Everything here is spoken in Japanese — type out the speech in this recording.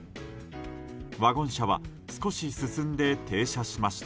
ワゴン車は少し進んで停車しました。